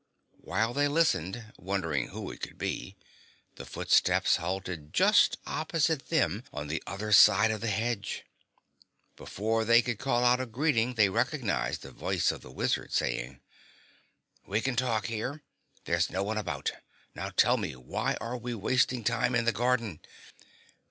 While they listened, wondering who it could be, the footsteps halted just opposite them on the other side of the hedge. Before they could call out a greeting, they recognized the voice of the Wizard saying: "We can talk here. There's no one about. Now tell me; why are we wasting time in the garden?"